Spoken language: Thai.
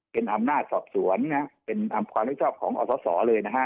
เป็นอำนาจสอบสวนนะฮะเป็นความนึกชอบของอสสเลยนะฮะ